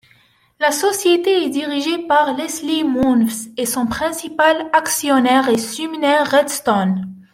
La société est dirigée par Leslie Moonves et son principal actionnaire est Sumner Redstone.